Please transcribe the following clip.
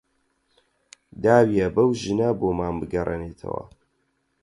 داویە بەو ژنە بۆمان بگەڕێنێتەوە